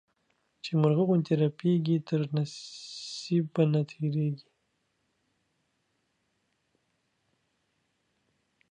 چي مرغه غوندي رپېږي، تر نصيب به نه تيرېږې.